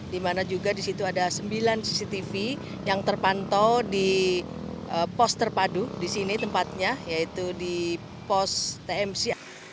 di mana juga di situ ada sembilan cctv yang terpantau di pos terpadu di sini tempatnya yaitu di pos tmc